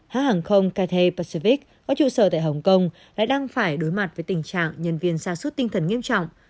hãng hàng không caitel pacivic có trụ sở tại hồng kông lại đang phải đối mặt với tình trạng nhân viên xa suốt tinh thần nghiêm trọng